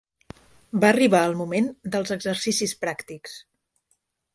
Va arribar el moment dels exercicis pràctics